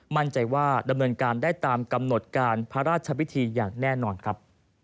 มั่นใจว่าดำเนินการได้ตามกำหนดการพระราชพิธีอย่างแน่นอนครับ